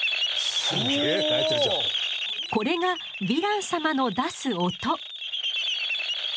これがヴィラン様の出す音。